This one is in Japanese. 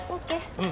うん。